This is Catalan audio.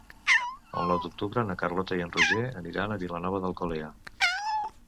El nou d'octubre na Carlota i en Roger aniran a Vilanova d'Alcolea.